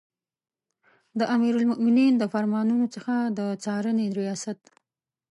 د امیرالمؤمنین د فرمانونو څخه د څارنې ریاست